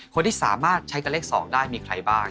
คนที่สามารถใช้กับเลข๒ได้มีใครบ้าง